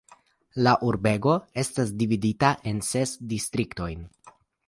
La urbego estas dividita en ses distriktojn.